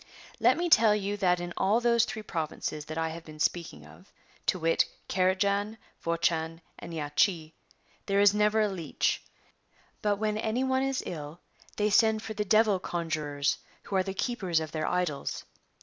^ And let me tell you that in all those three provinces that I have been speaking of, to wit Carajan, Vochan, and Yachi, there is never a leech. But when any one is ill they send for the Devil conjurors who are the keepers of their idols.